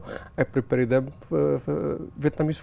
tôi chuẩn bị món ăn việt nam